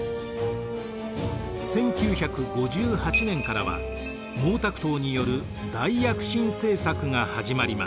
１９５８年からは毛沢東による大躍進政策が始まります。